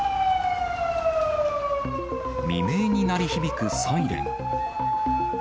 未明に鳴り響くサイレン。